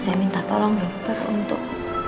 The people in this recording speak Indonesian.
saya minta tolong dokter untuk